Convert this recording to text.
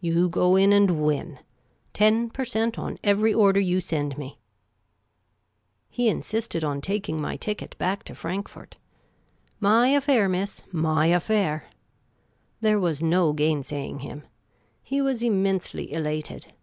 You go in and win. Ten per cent, on every order you send me !" He insisted on taking my ticket back to Frankfort. " My affair, miss ; my affair !" There was no gainsaying him. He was immensely elated.